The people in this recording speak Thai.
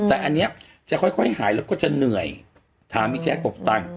แต่อันนี้จะค่อยหายแล้วก็จะเหนื่อยถามพี่แจ๊กบตังค์